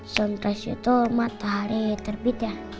sunrise itu matahari terbit ya